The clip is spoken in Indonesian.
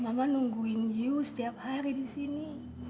mama nungguin you setiap hari disini